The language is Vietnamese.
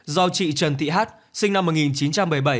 do chị trần thị hát sinh năm một nghìn chín trăm bảy mươi bảy